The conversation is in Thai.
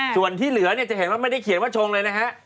ส่วนที่เหลือเนี่ยจะเห็นว่าไม่ได้เขียนว่าชงเลยนะฮะ